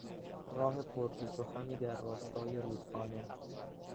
راه پریپچ و خمی در راستای رودخانه